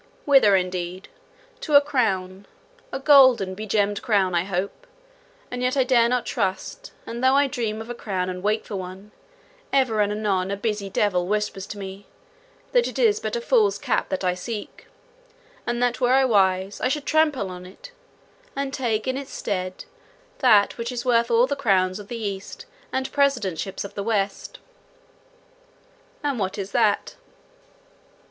"Whither indeed? To a crown, a golden be gemmed crown, I hope; and yet I dare not trust and though I dream of a crown and wake for one, ever and anon a busy devil whispers to me, that it is but a fool's cap that I seek, and that were I wise, I should trample on it, and take in its stead, that which is worth all the crowns of the east and presidentships of the west." "And what is that?"